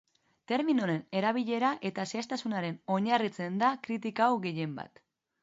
Terminoen erabilera eta zehaztasunetan oinarritzen da kritika hau gehienbat.